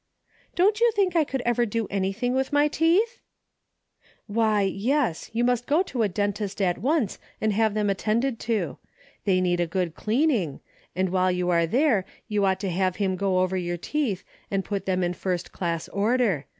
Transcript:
" Don't you think I could ever do anything with my teeth ?"" Why yes, you must go to a dentist at once and have them attended to. They need a good cleaning, and while you are there you ought to have him go over your teeth and put them in first class order.